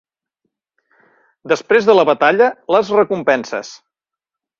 Després de la batalla, les recompenses.